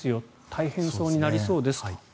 大変になりそうですと。